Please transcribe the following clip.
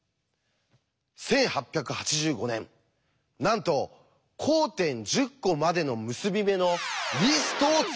１８８５年なんと交点１０コまでの結び目のリストを作ったっていうんです。